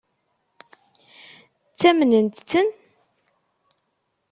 Ttamnent-ten?